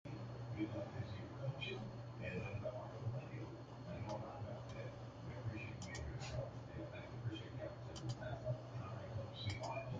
It bore the traditional name "Situla", a Latin word meaning "bucket" or "water jar".